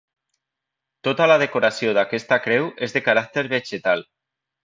Tota la decoració d'aquesta creu és de caràcter vegetal.